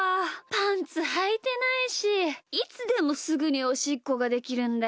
パンツはいてないしいつでもすぐにおしっこができるんだよなあ。